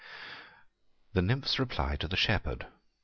THE NYMPH'S REPLY TO THE SHEPHERD.